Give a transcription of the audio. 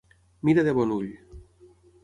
Mira de bon ull.